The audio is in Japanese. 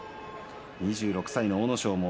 ２６歳の阿武咲。